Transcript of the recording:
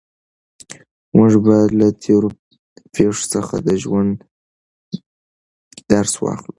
موږ باید له تېرو پېښو څخه د ژوند درس واخلو.